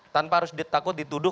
tanpa harus takut dituduh